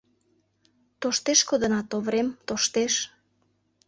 Тоштеш кодынат, Оврем, тоштеш.